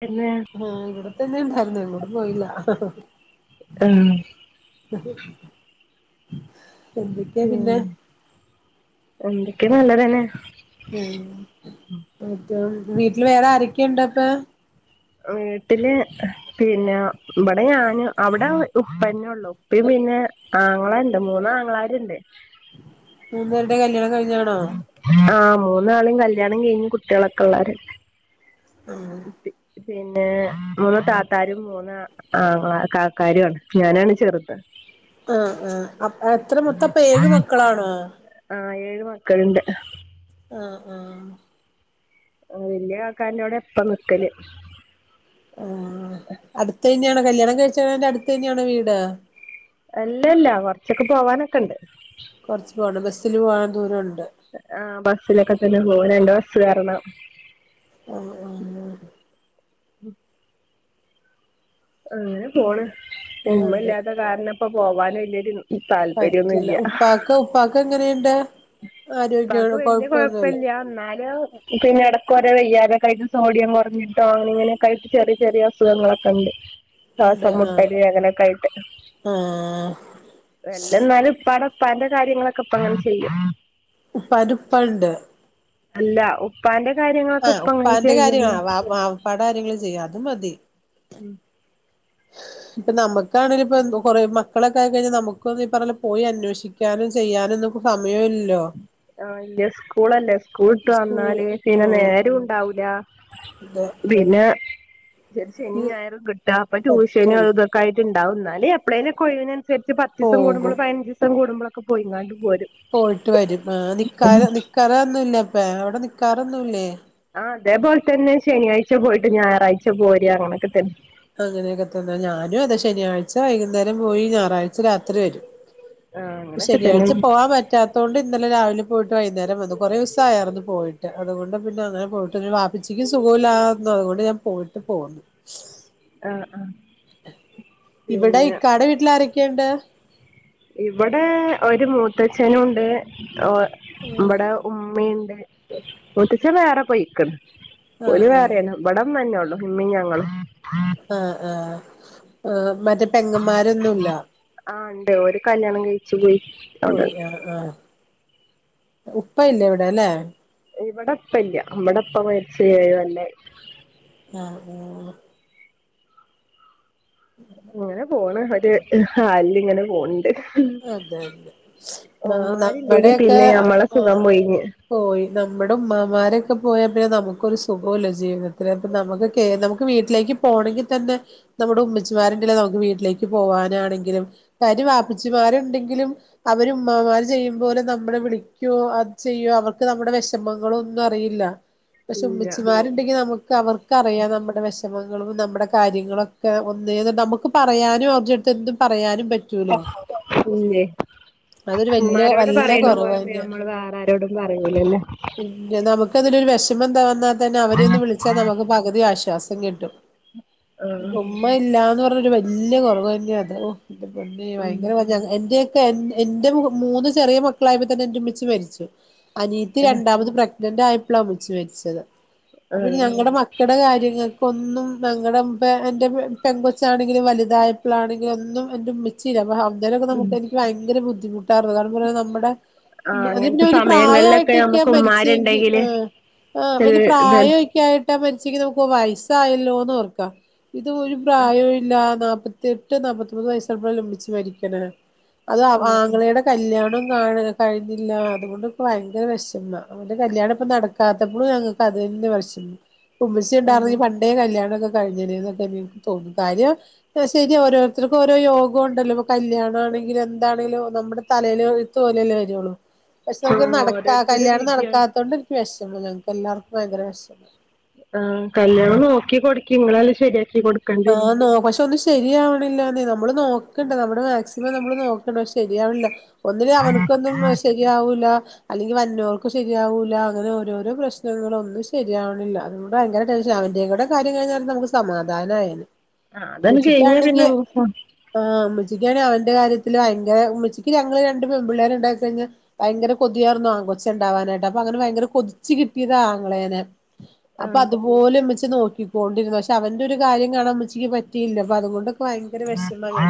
പിന്നെ ആഹ് ഇവിടെ തന്നെണ്ടായിരുന്നു. എങ്ങോട്ടും പോയില്ല. ആഹ ഹ് ങ് ഉം എന്തൊക്കെയ നല്ലതന്നെ വീട്ടില് വേറെ ആരൊക്കെയുണ്ടോ ഇപ്പ ഇപ്പ വീട്ടില് പിന്നെ ഇവിടെ ഞാന്, അവിടെ ഉപ്പന്നെ ഉള്ളു. ഉപ്പയും പിന്നെ ആങ്ങളുണ്ട് മൂന്ന് ആങ്ങളാരുണ്ട്. മൂന്നപേരുടെ കല്യാണം കഴിഞ്ഞാ താണോ?. ആഹ് മൂന്നാളും കല്യാണം കഴിഞ്ഞ് കുട്ടികളൊക്കെ ഉള്ളാര്. ആഹ പിന്നെ മൂന്ന് താത്താരും മൂന്ന് ആങ്ങള കാക്കാരുവാണ് ഞാനാണ് ചെറുത്. ആ ഹആ ഹ അപ്പോ എത്ര മൊത്തം ഇപ്പൊ ഏഴ് മക്കളാണോ?. ആ ഹ ഏഴ് മക്കളുണ്ട്. ആഹ ആഹ ആഹ വലിയ കാക്കാന്റെടെ എപ്പ നിക്കല്ല്. ആഹ അടുത്ത തന്നെയണോ കല്യാണം കഴിച്ചന്റെ അടുത്ത്ന്നെയാണോ വീട്. അല്ലല്ല കൊറച്ചൊക്കെ പോവാനൊക്കെ ഉണ്ട്. കുറച്ച് പോകണ ബസിൽ പോകാൻ ദൂരണ്ട്. ആ ബസ്സിലൊക്കെ തന്നെ പോവല് രണ്ട് ബസേറണം. അഹ അങ്ങനെ പോണ് അതെ ഉമ്മല്ലാത്ത കാരണം ഇപ്പ പോവാന വല്യരു താല്പര്യം ഒന്നും ഇല്ല. ഇപ്പോ ഉപ്പാക്ക് എങ്ങനെയുണ്ട്, ഉപ്പാക്ക് ആരോഗ്യാണ്, വലിയ കൊഴപ്പൊന്നുല്ല. കുഴപ്പമില്ല എന്നാലും. പിന്നെ ഇടക്ക് ഒരു വെയ്യാതെ തായിട്ട് സോഡിയം കുറച്ചിട്ടും. അങ്ങനെ ഇങ്ങനെൊക്കയിട്ട് ചെറിയ ചെറിയ അസുഖങ്ങളൊക്കെ ഉണ്ട്. ശ്വസം മുട്ടല് അങ്ങനെ ക്കെആയിട്ട്. ആഹ വെയ്യ എന്നാലും ഉപ്പ ഉപ്പാന്റെ കാര്യങ്ങളൊക്കെ ഇപ്പ അങ്ങനെ ചെയ്യും. ഉപ്പാൻ്റെ ഉപ്പണ്ട്. അല്ല ഉപ്പാന്റെ കാര്യങ്ങളൊക്കെ ഉപ്പ അങ്ങനെ ചെയ്യുന്ന ഉപ്പാടെ കാര്യങ്ങൾ ചെയ്യും. അത് മതി. [inaudible] ഇപ്പൊ നമുക്കാണേലു ഇപ്പ എന്താ പറയാ മക്കളൊക്കെ ആയിക്കഴിഞ്ഞാൽ നമുക്ക് ഈ പറഞ്ഞ പോയി അന്വേഷിക്ക ക്കാനും, ചെയ്യാനും നമുക്ക് സമയം ഇലല്ലോ. ആഹ ഇല്ല സ്കൂളല്ലേ സ്കൂൾി വിട്ട് സ്കൂള് വന്നാല് പിന്നെ നേരം ഉണ്ടാവൂല. ഇതോ പിന്നെ ര് ശനി ഞായറും കിട്ട അപ്പം ട്യൂഷന് പറ്റൂല അഹ് ത് ക്കായിട്ട്ണ്ടാവും ഇന്നാല് എപ്പളേലും ഒക്കെ ഒഴിവിനനുസരിച്ച് പത്തീസം പോകും കൂടുമ്പളും പതിനഞ്ച് സം കൂടുമ്പളൊക്കെ പോയിങ്ങാണ്ട് പോരും ട്ട് വരും ആഹ് നിക്കാ നിക്കാറ് ഒന്നും ല്ലേ അപ്പോ അവിടെ നിക്കാറൊന്നു ല്ലേ ആഹ് ഇതേപോലെ തന്നെ ശനിയാഴ്ച്ച പോയിട്ട് ഞായറാഴ്ച്ച പോരാ അങ്ങനൊക്കെ തന്നെ അങ്ങനെയൊക്കെ തന്നെ ഞാനും അതേ ശനിയായിച്ച വൈകുന്നേരം പോയി ഞായറാഴ്ച്ച രാത്രി വരും ആ അങ്ങനൊക്കെ തന്നെ ശനിയാഴിച്ച പോവാൻ പറ്റാ ത്തോണ്ട് ഇന്നലെ രാവിലെ പോയിട്ട് വൈകുന്നേരം വന്ന് കുറേ ദിവസം ആയാരുന്നു പോയിട്ട് അതുകൊണ്ട് പിന്നെ അങ്ങനെ പോയിട്ട് ഒര് വാ പ്പച്ചിക്ക് സുഖമില്ലാന്നു അതുകൊണ്ട് ഞാൻ പോയിട്ട് പോന്ന് ആഹ് ആഹ് ഇവിടെ ഇക്കാടെ വീട്ടില് ആരൊക്കെണ്ട് ഇവിടെ ഒരു മൂത്തച്ഛനും ഉണ്ട് ഇവിടെ ഉമ്മിണ്ട് മൂത്തച്ഛൻ വേറെ പോയിക്ക്ണ് ആഹ് ഓല് ആഹ് വേറെണ് ഇവിടെ ഇമ്മ ന്നെ ഒള്ളു ഇമ്മി ഞങ്ങളും ആഹ് ആഹ് ആഹ് മറ്റേ പെങ്ങന്മാരൊന്നുല്ലാ ആഹ് ണ്ട് ഓര് കല്യാണം കഴിച്ച് പോയി അവിടെ പോയി ആഹ് ആഹ് ഉപ്പ ഇല്ലേ ഇവിടെ ല്ലേ ഇവിടെ ഇപ്പ ല്ലാ ഇവിടെ ഇപ്പ മരിച്ച് ഏഴ് കൊല്ലായി ആഹ് ഓഹ് ഇങ്ങനെ പോണ് ഒര് ഹാല് ല് ഇങ്ങനെ പോണ് ണ്ട് അതെ അതെ ന നമ്മുടെ ഉമ്മാരില്ലെങ്കി ഒക്കെ പിന്നെ അ ഞമ്മളെ സുഖം ആഹ് പോയിഞ്ഞ് പോയി നമ്മുടെ ഉമ്മാ മാ രൊക്കെ പോയാ പിന്നേ നമുക്കൊരു സുഗോ ഇല്ല ജീവിതത്തില് അപ്പം നമുക്ക് കേ നമുക്ക് വീട്ടിലേക്ക് പോണങ്കി തന്നെ നമ്മുടെ ഉമ്മച്ചിമാരുണ്ടല്ലോ നമുക്ക് വീട്ടിലേക്ക് പോകാനാണെങ്കിലും കാര്യ വാപ്പച്ചിമാരുണ്ടെങ്കിലും അവര് ഉമ്മാ മാര് ചെയ്യും പോലെ നമ്മളെ വിളിക്കോ അത് ചെയ്യോ അവർക്ക് നമ്മുടെ വിഷമങ്ങളോ ഒന്നും അറിയില്ല [inaudible] പക്ഷെ ഉമ്മച്ചിമാര്‌ ണ്ടങ്കി നമുക്ക് അവർക്കറിയാം നമ്മുടെ വിഷമങ്ങളും നമ്മുടെ കാര്യങ്ങളും ഒക്കെ ഒന്നേ ന്ന് നമുക്ക് പറയാനും അവരെടുത്ത് എന്തും പറയാനും പറ്റൂലോ പി ന്നെ അതൊരു വല്യ ഉമ്മാരോട് വല്ല പറയ്ണ പോലെ ക്കെ കുറവന്നെ നമ്മള് വേറാരോടും പറയില്ലല്ലോ ക്കത തൊരു വിഷമം ന്താ വന്നാൽ തന്നെ അവരെ ഒന്ന് വിളിച്ചാൽ നമുക്ക് പകുതി ആശ്വാസം കിട്ടും ആഹ് ഇപ്പം ഇമ്മ ഇല്ലാന്ന് പറ്ഞ്ഞരു വലിയ കുറവ് തന്നെയാ അത് ഔ ഇന്റെ പൊന്നേ ഭ ഉം ക്കര എന്റെയൊക്കെ എ എന്റെ മൂ മൂന്ന് ചെറിയ മക്കളായപ്പം തന്നെ എന്റെ ഉമ്മച്ചി മരിച്ചു അനിയത്തി രണ്ടാമത് പ്രഗ്നന്റ് ആയപ്പളാ ഉമ്മച്ചി മരിച്ചത് അപ്പം പിന്നെ ആഹ് ഞങ്ങളടെ മക്കളടെ കാര്യങ്ങൾ ഒന്നും ഞങ്ങള ടെ മ്പ എൻ്റെ പെൺ പെൺ കൊച്ചാണെങ്കിലും വലുതായപ്പളാണെങ്കിലും ഒന്നും എൻ്റെ ഉമ്മച്ചില്ല അപ്പം ഉം [unintelligible] എനിക്ക് ഭയങ്കര ബുദ്ധിമു ട്ടാരുന്നത് ഇങ്ങട്ട് പിന്നെ നമ്മുടെ ആഹ് ണ്ട് അത് പിന്നെ അങ്ങനത്തെ ഒരു സമയങ്ങളിലൊക്കെ പ്രായയിട്ടൊക്കാ നമുക്ക് മരിച്ചെങ്കിൽ ഉമ്മാരുണ്ടെങ്കില് ആഹ് ആഹ് ഒരു വല്യ പ്രായ ഇതല്ലേ കെ ആയിട്ട മരിച്ച ങ്കി നമുക്ക് വയസ്സായല്ലോന്ന് ഓർക്കാം ഇത് ഒരു പ്രായൊ ഇല്ല നാല്പ്പത്തിയട്ട് നാപ്പത്തിമൂന്ന് വയസ്സായപ്പളല്ലേ ഉമ്മച്ചി മരിക്ക്ണേ അത് ആ ആഹ് ആങ്ങളെ ടെ കല്യാണം കാണാ കഴിഞ്ഞില്ല അതുകൊണ്ടൊക്കെ ഭയങ്കര വിഷമാ അവന്റെ കല്യാണം ഇപ്പം നടക്കാത്തപ്പളും ഞങ്ങക്ക് അത് തന്നെ വെഷമം ഉമ്മച്ചി ആഹ് ഇണ്ടായിര്ന്നെങ്കിൽ - കല്യാണം ഒക്കെ കഴിഞ്ഞനെ ന്നൊക്കെ എനിക്ക് തോന്നുന്നു കാര്യം ശരി ഓരോരുത്തർക്കു ഓരോ യോഗം ഉണ്ടല്ലോ കല്യാണം ആണെങ്കിലും എന്താണെങ്കിലും നമ്മുടെ തലേൽഴുത്തോതോലല്ലേ വരോള്ളൂ പക്ഷെ നമുക്ക് ആഹ് നടക്കാ ഓരോരുത്തരെ കല്യാണം വിധിയാണ് നടക്കാത്തോണ്ട് എനിക്ക് വിഷമാണ് ഞക്ക് എല്ലാവർക്കും ഭയങ്കര വിഷമാണ് ആഹ് കല്ല്യണം നോക്കി കൊടുക്കിം ഇങ്ങളല്ലെ ശരിയാക്കി കൊടു ആഹ് നോ പക്ഷെ ഒന്ന് ശരിയാവണില്ലാന്നെ നമ്മള് നോക്കണ്ട് നമ്മുടെ മാക്സിമം നമ്മള് നോക്കണ്ട് പക്ഷെ ശെരിയാവണില്ല ഒന്നില്ലങ്കി അവർകൊന്നും ശരിയാവൂല്ല അല്ലെങ്കിൽ വര്ണോർക്കും ശരിയാവൂല അങ്ങനെ ഓരോരോ പ്രശ്നങ്ങളൊന്നും ശരിയാവണില്ല അത ഭയങ്കര ടെൻഷനാ അവന്റെയും കൂടെ കാര്യ കഴ്ഞ്ഞ നമുക്ക് സമാധാനായി ആ അതണ്ട് കഴിഞ്ഞ പിന്നെ ആഹ് ഉമ്മച്ചിക്കാണെ അവന്റെ കാര്യത്തിൽ ഭയങ്കര ഉമ്മച്ചിക്ക് ഞങ്ങള് രണ്ട് പെൺ പിള്ളേര് ഇണ്ടായി കഴിഞ്ഞാൽ ഭയങ്കര കൊതിയായിരുന്നു ആണ് കൊച്ച് ഇണ്ടാവാനായിട്ട് അപ്പൊ അങ്ങനെ ഭയങ്കര കൊതിച്ചു കിട്ടിയതാ ആങ്ങളേനെ അപ്പൊ ആഹ് അതുപോലെമ്മച്ചച്ചി നോക്കിക്കോണ്ടിരുന്നു പക്ഷെ അവന്റെ ഒരു കാര്യത്തിൽ കാണാൻ മ്മച്ചിക്ക് പറ്റിയില്ല അപ്പ അത്കൊണ്ട്. ഭയങ്കര വെഷമാണ്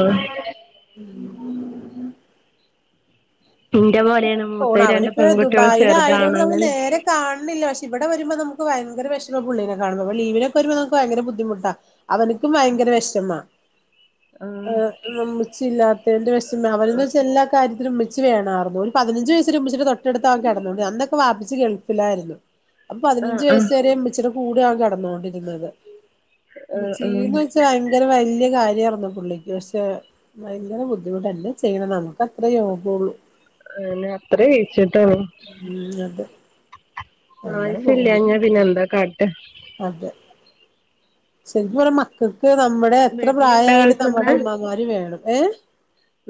ആഹ് ഇന്റെ പോലെയാണ് പോണ് മൂത്തത് രണ്ട് അവനിപ്പോ പെൺകുട്ടികൾ ദുബായിലായതോണ്ട് ന്നമ്മള് ചെറുതാണാണല്ലേ നേരെ കാണ്ല്ല പക്ഷെ ഇവടെവെരുമ്പോ നമുക് ഭയങ്കരെ വെഷമാ പുള്ളിനെ കാണ് മ്പോ അപ്പൊ ലീവ്നൊക്കെവെരുമ്പോ ന്നമക്ക് ഭയങ്കര ബുദ്ധിമുട്ടാ. അവന്ക്കും ഭയങ്കര വെഷമാ. ഹ്, ആഹ് ഹ് ഇമ്മച്ചില്ലാത്തേന്റെ വെഷമ അവനെന്ന് വെച്ച എല്ലാ കാര്യത്തിലുംമ്മ മ്മച്ചി വേണാര്ന്നു ഒര് പതിനഞ്ച് വയസ്സ് വരെ ഉമ്മച്ചിടെ തൊട്ടടുത്താ അവെൻ കെടന്നത് അന്നൊക്കെ വാപ്പച്ചി ഗെൾഫിലായിര്ന്നു. അപ്പൊ ആഹ് പതിനെഞ്ച് ആഹ് വെയ്സ് വെരെ ഇമ്മച്ചിടെ കൂടെയാ അവെൻ കെട്ന്നൊണ്ടിരുന്നത് ആഹ് ആഹ് ഉമ്മച്ചീന്ന് വെച്ച ച്ച ഭയെങ്കെരെ വല്ല്യാ കാര്യയിർന്നു പുള്ളിക്ക് പക്ഷെ വയങ്കെരെ ബുദ്ധിമുട്ടെന്നെ എന്താ ചെയ്യ്ണ് നമുക്കത്രേ യോഗൊള്ളു. അയന്നെ അത്രേ വിധിച്ചിട്ടൊള്ളു. ഉം അതെ അങ്ങനെ ആയുസ് പോണു ഇല്ലാഞ്ഞ പിന്നെ എന്താ കാട്ട. അതെ ശെരിക്കും പർഞ്ഞ ക്കെക്ക് ന്നമ്മടെ എത്രേ വര്ന്ണ്ടോ പ്രായമായാലും ഗൾഫ്ന്ന് ന്നമ്മടെ ഉമ്മമാര് വേണം ഏഹ്.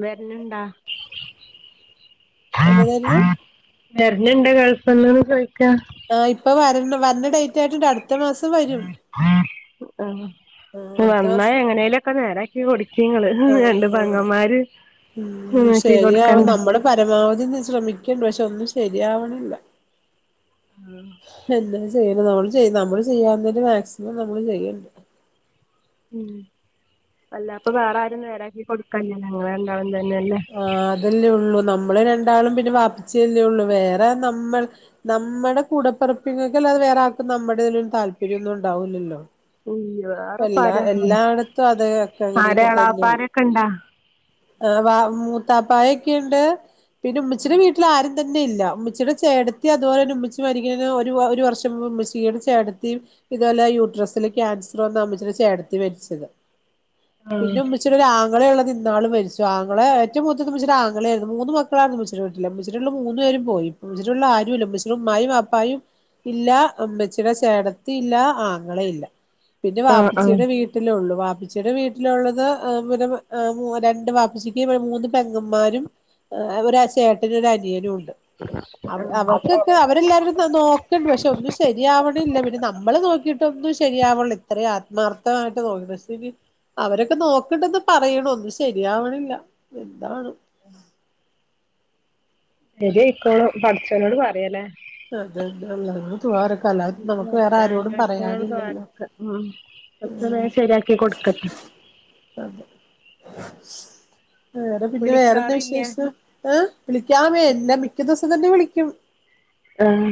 വെര്ണ് ണ്ടാ? എന്നതായിരുന്നു വേർന്ന്ണ്ട് ഗെൾഫ്ന്ന് ചോയ്ക്കാ? ആ ഇപ്പ വര്ണ് വര്ണെ ഡേയ്റ്റ് ആയിട്ട്ണ്ട് അട്ത്ത മാസ് ആഹ് അടുത്ത വന്നാ വർഷം എങ്ങെനെലൊക്കെ ന്നേരായ് ച്ചി കൊട്ക്കീങ്ങെള് രണ്ട് ആഹ് പെങ്ങന്മാര് ഉം ശരിയാവും ചീതൊട്ക്കണ്ട. നമ്മള് പരമാവധി ഒന്ന് ശ്രമിക്ക്ണ്ട് പക്ഷെ ഒന്നും ശെരിയാവ്ണില്ല. ഉം എന്താ ചെയ്യ്ണ് ന്നമ്മെള് ചെയ്യ് ന്നമ്മെള് ചെയ്യാവുന്നീന്റെ മാക്സിമം ന്നമ്മള് ചെയ്യ്ണ് ണ്ട്. ഉം അല്ല അപ്പൊ വേറെ ആരും ന്നേരാക്കി കൊട്ക്കാല്ല ഇങ്ങെള് രണ്ടാളും തന്നെല്ലേ. ആഹ് അതല്ലേ ഒള്ളു ന്നമ്മെള് രണ്ടാളും പിന്നെ വാപ്പിച്ചിയല്ലേ ഒള്ളൂ വേറെ ന്നമ്മൾ ന്നമ്മടെ കൂടെപ്പെർപ്പീങ്ങക്കല്ലതെ വേറെ ആര്ക്കും ന്നമ്മടെ ഇതീല് ഒരു താല്പര്യോന്നും ഉണ്ടാവില്ലല്ലോ. ഉം വേറെപ്പാരാ അത് ആരഎളാപ്പാരൊക്കെ ഇണ്ടാ? ഹ് വാ മൂത്താപ്പായൊക്കെണ്ട് പിന്നെ ഉമ്മച്ചിടെ വീട്ടില് ആരും തന്നെ ഇല്ല ഉമ്മച്ചിടെ ചേട്ടെത്തി അതുപോലെന്നെ ഉമ്മച്ചി മരിക്കുന്നേന് ഒരുവ ഒര് വർഷം മുമ്പ്ഉമ്മച്ചീടെ ചേട്ടെത്തിം ഇത് പോലെ യൂട്രസില് കിയാൻസറ് വന്ന് ഉമ്മച്ചീടെ ചേട്ടെത്തി മരിച്ചെത് ആഹ് പിന്നെ ഉമ്മ ച്ചിടെ ഒരാങ്ങളെള്ളത് ഇന്നാള് മരിച്ചു ആങ്ങെളെ ഏറ്റവും മൂത്തത് മ്മച്ചീടാങ്ങളേരുന്നു മൂന്ന് മക്കളായിര്ന്നു ഉമ്മച്ചിടെ ല്ല ഉമ്മച്ചീടെല്ല മൂന്ന് പേരും പോയി ഇമ്മച്ചിടുള്ള ആരുല്ല ഉമ്മച്ചീടെ ഉമ്മായും വാപ്പായും ഇല്ലാ ഇമ്മച്ചിടെ ചേടത്തില്ല ആങ്ങളല്ല പിന്നെ ആഹ് ആഹ് വാപ്പച്ചിയുടെ വീ വീട്ടിലൊള്ളു വാപ്പച്ചിടെ വീട്ടിലൊള്ളെത് രണ്ട് വാപ്പച്ചിക്ക് മൂന്ന് പെങ്ങന്മാരും ഒര ചേട്ടനും ഒരനിയനും ഉണ്ട് അത് അവർക്കൊക്കെ അവരെല്ലാവെരും നന്നോ ണ്ട് പക്ഷെ ഒന്നും ശെരിയാവണില്ല പിന്നെ നമ്മള് നോക്കിയിട്ടൊന്നും ശെരിയാവണില്ല. അത്രേം ആത്മാർത്ഥമായിട്ട് നോക്കി സ്ഥിതിക് അവരൊക്കെ നോക്ക്ണ്ടെന്ന് പറയ്ണു ഒന്നും ശെരിയാവ്ണില്ല എന്താന്ന ശെരി അയ്ക്കോളും പടച്ചോനോട് പറയലെ. അതെന്നെ അല്ലാഹുവിനോട് ദുഹാർക്ക അല്ലാതെ നമുക്ക് വേറാരോടും പറയാനില്ലല്ലോ. ഉം ഒക്കെ വേം ശെരിയാക്കി കൊട്ക്കട്ടെ. അതെ വേറെ പിന്നെ വേറെന്നാ വിളിക്കാറില്ല വിശേഷം? ഏഹ് വിളിക്കാമേ എല്ലാ മിക്ക ദെസം തന്നെ വിളിക്കും. ആഹ്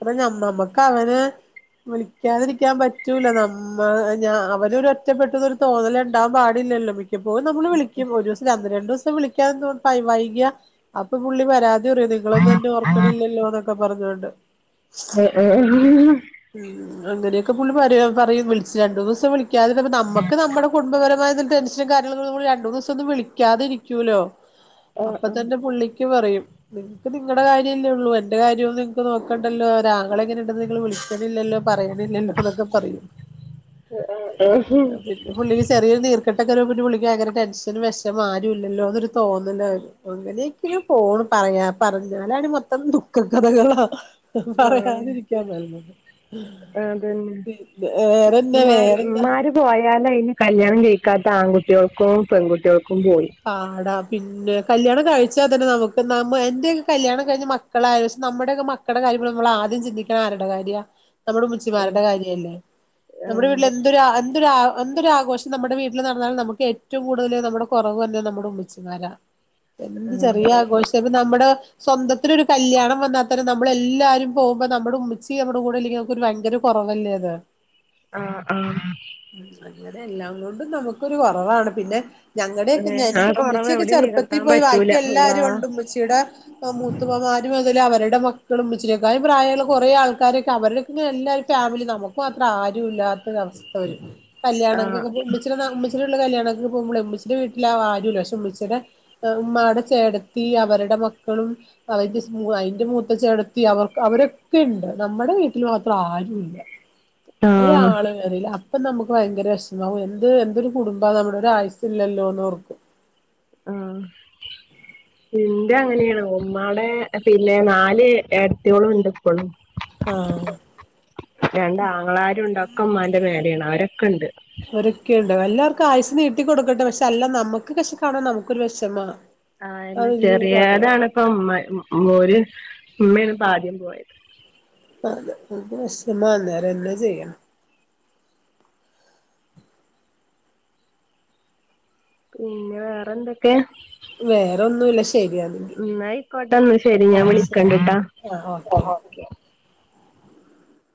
അപ്പ ഞമ്മ നമ്മക്കവനെ വിളിക്കാതിരിക്കാൻ പറ്റൂല നം മ്മാ ഞ അവനൊരറ്റപ്പെെട്ടുന്നൊരു തോന്നല്ണ്ടാവാൻ പാടില്ലല്ലോ മിക്കപ്പോയും നമ്മള് വിളിക്കും ഒരുസ് ല്ല ഒന്ന് രണ്ടൂസം വിളിക്കാ [unintelligible] വൈകിയ അപ്പൊ പുള്ളി പരാതി പറയും നിങ്ങളൊന്നും എന്നെ ഓർക്കണില്ലല്ലോന്നൊക്കെ പറഞ്ഞോണ്ട്. ഉം, ഉം ആഹ്ഹ് ഉം അങ്ങനെയൊക്കെ പുള്ളി പറയും പറയും വിളിച്ച് രണ്ടൂന്നൂസം വിളിക്കാതിരുന്നപ്പം നമ്മക്ക് നമ്മടെ കുടുംബപര മായിന്ന ടെൻഷൻ കാര്ണം ന്നമ്മള് രണ്ടു, മൂന്ന്സോംന്ന് വിളിക്കാതെ ഇരിക്കൂലോ. ആഹ് അപ്പ തന്നെ പുള്ളിക്ക് പറയും നിങ്ങക്ക് നിങ്ങടെ കാര്യല്ലേ ഉള്ളു എന്റെ കാര്യൊ നിങ്ങക്ക് നോക്കണ്ടല്ലോ ഒരാങ്ങളങ്ങനെണ്ടെന്ന് നിങ്ങള് വിളിക്കലില്ലല്ലോ പറയണില്ല്യല്ലൊ അതൊക്കെ പറയൂ ആഹ് പിന്ന പുള്ളിക്ക് ചെറിയൊരു നീർക്കെട്ടൊക്കെരുമ്പൊ പിന്നെ പുള്ളിക്ക് ഭയങ്കര ടെൻഷനും വെഷമോം ആരുമില്ലല്ലോന്നൊരു തോന്നുന്നില് അങ്ങനെയെക്കെന് പോണ് പറഞ് പറഞ്ഞലാടി മൊത്തം ദുഃഖ കഥകളാ ആഹ് പറയാതിരിക്കാ നല്ലത് അതന്നെ പിന്നെ വേറെന്താ വേറെന്താ പോയാലയ്ന് കല്യാണം കയ്ക്കാത്ത ആൺകുട്ടികൾക്കും പെൺകുട്ടികൾക്കും പോയി പാടാ പിന്നെ കല്യാണം കഴിച്ചാ തന്നെ നമുക്ക് നമ്മ എന്റക്കെ കല്യാണം കഴിഞ്ഞ മക്കളായ നമ്മുടെക്കെ മക്കടെ കാര്യം [unintelligible] നമ്മളാദ്യം ചിന്തിക്കണ ആരടെ കാര്യ നമ്മുടെ ആഹ് മുച്ചിമാരുടെ കാര്യല്ലേ നമ്മുടെ വീട്ടില് ആഹ് എന്തൊര എന്തൊരാ എന്തൊരാഘോഷം നമ്മുടെ വീട്ടില് നടന്നാലും നമുക്ക് ഏറ്റവും കൂടുതൽ നമ്മുടെ [unintelligible] നമ്മുടെ ഉമ്മച്ചിമാരാ എന്ത് ചെറിയ ആഘോഷ ഇനി നമ്മുടെ സ്വന്തത്തിലൊരു കല്യാണം വന്നാ തന്നെ നമ്മളെല്ലാരും പോവുമ്പോ നമ്മടെ ഉമ്മച്ചി നമ്മുടെ കൂടെല്ലെങ്കി നമക്കൊരു ഭയങ്കര കൊറവല്ലേത് ആഹ് ആഹ് ഉം അങ്ങനെ എല്ലാം കൊണ്ടും നമുക്കൊരു കൊറവാണ് പിന്നെ ഞ ഏഹ് ഞാൻ ആ കൊറവ് ഉമ്മച്ചി ഒക്കെ എവിടിം ചെറുപ്പത്തി നികത്താൻ പോയി പറ്റൂല ബാക്കി അള്ളാ എല്ലാരും ഉണ്ട് ഉമ്മച്ചിടെ മൂത്തുമ്മമാരും അതുപോലെ അവരടെ മക്കളും ഉമ്മച്ചിനെക്കായി പ്രായള്ള കൊറേ ആൾക്കാരൊക്കെ അവരുടെക്കെങ്ങനെ എല്ലാ ഫാമിലി നമുക്ക് മാത്രം ആരും ഇല്ലാത്ത ഒരു അവസ്ഥ വരും ആഹ് കല്യാണങ്ങക്കക്കെ ഉമ്മച്ചി ഉമ്മച്ചിലെ ഉള്ള കല്യാണക്കെ പോമ്പോള ഉമ്മിച്ചിടെ വീട്ടിലാരുല്ല പക്ഷെ ഉമ്മച്ചിടെ ഹ് ഉമ്മാടെ ചേടത്തി അവര്ടെ മക്കളും അവന്റെസ് മൂ അയ്ന്റെ മൂത്തച്ചി അവ്ടെത്തി അവർ അവരൊക്കെയുണ്ട് നമ്മടെ വീട്ടിൽ മാത്രം ആരുല്ല [inaudible] ആഹ് ഒരാള് വരില്ല അപ് അപ്പൊ നമുക്ക് ഭയങ്കര വെഷ്മാവും എന്തൊരു എന്തൊര് കുടുംബാ നമ്മുടെ ഒരു ആയുസല്ലല്ലോന്നോർക്കും ആഹ് ഇന്റെ അങ്ങനെയാണ് ഉമ്മാടേ പിന്നെ നാല് ഏട്ത്യേളുംണ്ട് പോണം ആഹ് രണ്ട് ആങ്ങളാരുണ്ട് ഒക്കമ്മാന്റെ മേലെയാണ് അവരൊക്കെണ്ട് ഒക്കയുണ്ട് എല്ലാര്ക്കും ആയുസ്സ് നീട്ടിക്കൊടുക്കട്ടെ പക്ഷെ അല്ല നമ്മുക്ക് പക്ഷെ കാണാൻ നമുക്ക്‌ ഒരു വെഷമാ ആ അതെന്നേ ചെറ്യേതാണ് ഇപ്പ ഉമ്മ മോര് ഉമ്മാണ് പ്പ ആദ്യം പോയത് അതെ നമുക്ക് വെഷമാണ് വേറെ എന്നാ ചെയ്യാ പിന്നെ വേറെ എന്തൊക്കേ വേറെ ഒന്നു ഇല്ല ശരിയാന്ന് ഉം ന്നാ അയ്ക്കോട്ടെ ന്നാ ശരി ഞാൻ വിളിക്കണ്ട്ട്ടാ ആഹ് ഓക്കെ